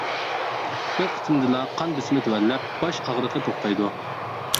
بىر قېتىمدىلا قان بېسىمى تۆۋەنلەپ، باش ئاغرىقى توختايدۇ.